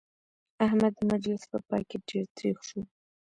احمد د مجلس په پای کې ډېر تريخ شو.